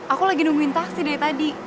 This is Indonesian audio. aku lagi nungguin taksi dari tadi